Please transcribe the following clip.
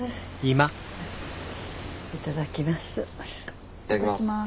いただきます。